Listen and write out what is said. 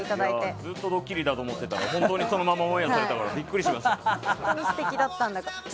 ずっとドッキリだと思ってたらそのままオンエアされたからビックリしました。